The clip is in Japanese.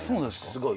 すごい。